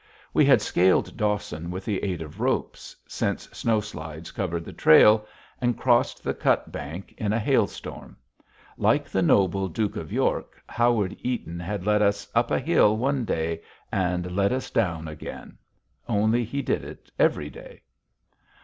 We had scaled Dawson with the aid of ropes, since snowslides covered the trail, and crossed the Cut Bank in a hailstorm. Like the noble Duke of York, Howard Eaton had led us "up a hill one day and led us down again." Only, he did it every day.